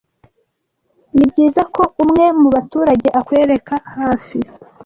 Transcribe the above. Nibyiza ko umwe mubaturage akwereka hafi.